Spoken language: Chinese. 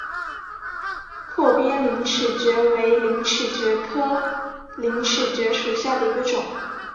阔边陵齿蕨为陵齿蕨科陵齿蕨属下的一个种。